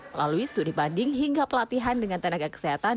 melalui studi banding hingga pelatihan dengan tenaga kesehatan